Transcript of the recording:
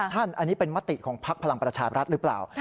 ท่านอันนี้เป็นมติของพักพลังประชาบรัฐหรือเปล่า